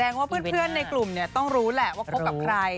ว่าเพื่อนในกลุ่มเนี่ยต้องรู้แหละว่าคบกับใคร